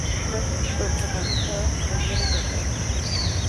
Tuvo clases personalizadas y talleres de actuación.